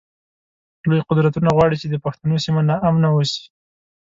لوی قدرتونه غواړی چی د پښتنو سیمه ناامنه اوسی